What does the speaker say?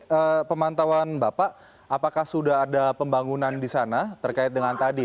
jadi pemantauan bapak apakah sudah ada pembangunan di sana terkait dengan tadi